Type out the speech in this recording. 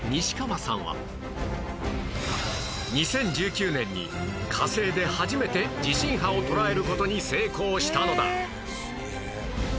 ２０１９年に火星で初めて地震波を捉える事に成功したのだ